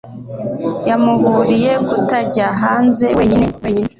Yamuburiye kutajya hanze wenyine wenyine